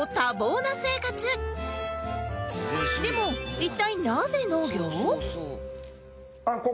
でも一体なぜ農業？